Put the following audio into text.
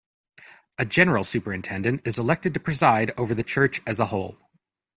A General Superintendent is elected to preside over the church as a whole.